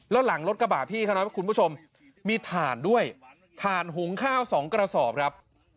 แล้วหลังรถกระบะพี่เท่านั้นคุณผู้ชมมีถ่านด้วยถ่านหุงข้าว๒กระสอบครับ